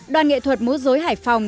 đoàn nghệ thuật múa dối hải phòng